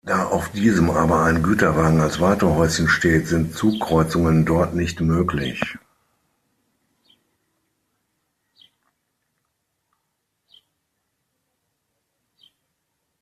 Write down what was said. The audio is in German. Da auf diesem aber ein Güterwagen als Wartehäuschen steht, sind Zugkreuzungen dort nicht möglich.